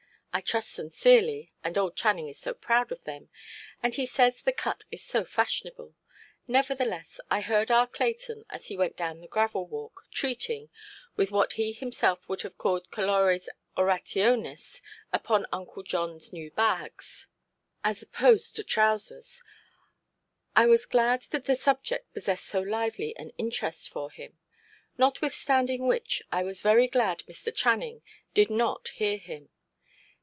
I trust sincerely—and old Channing is so proud of them, and he says the cut is so fashionable. Nevertheless, I heard our Clayton, as he went down the gravelwalk, treating, with what he himself would have called 'colores orationis', upon Uncle Johnʼs new bags; θύλακοι, I suppose he meant, as opposed to ἀναξυρίδες. I was glad that the subject possessed so lively an interest for him; notwithstanding which, I was very glad Mr. Channing did not hear him".